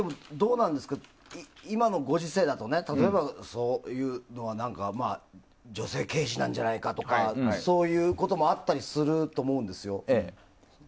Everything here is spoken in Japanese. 今のご時世だとそういうのは女性軽視なんじゃないかとかそういうこともあったりすると思うんですけど。